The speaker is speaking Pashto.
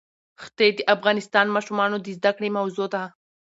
ښتې د افغان ماشومانو د زده کړې موضوع ده.